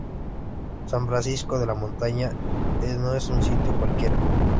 San Francisco de la Montaña no es un sitio cualquiera.